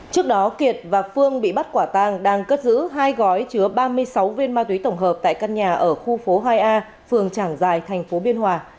trước đó kiệt và phương bị bắt quả tàng đang cất giữ hai gói chứa ba mươi sáu viên ma túy tổng hợp tại căn nhà ở khu phố hai a phường tràng giài tp biên hòa